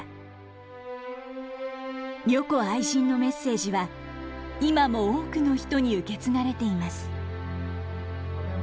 「如己愛人」のメッセージは今も多くの人に受け継がれています。